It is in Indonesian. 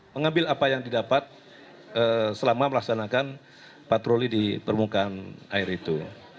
mengambil apa yang didapat selama melaksanakan patroli di permukaan air itu